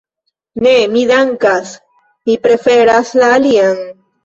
Ne, mi dankas, mi preferas la alian.